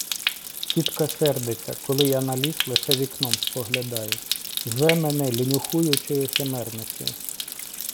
Тітка сердиться, коли я на ліс лише вікном споглядаю; зве мене "лінюхуючою химерницею".